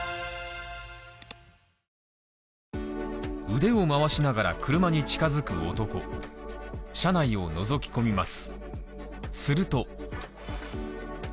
腕を回しながら車に近づく男車内をのぞき込みます。